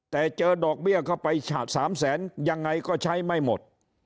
แต่เจอดอกเบี้ยเข้าไปฉะ๓แสนยังไงก็ใช้ไม่หมด